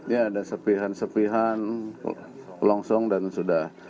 ya ada serpihan sepihan longsong dan sudah